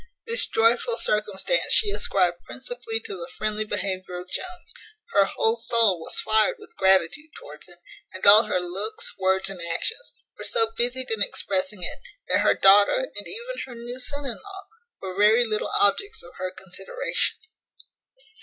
This joyful circumstance she ascribed principally to the friendly behaviour of Jones, her whole soul was fired with gratitude towards him, and all her looks, words, and actions, were so busied in expressing it, that her daughter, and even her new son in law, were very little objects of her consideration.